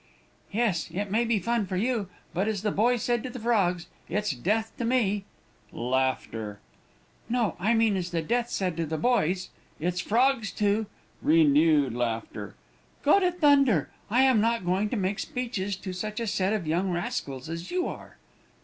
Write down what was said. Yes, it may be fun for you, but, as the boy said to the frogs, it's death to me. No, I mean as the Death said to the boys, it's frogs to (renewed laughter). Go to thunder! I am not going to make speeches to such a set a young rascals as you are."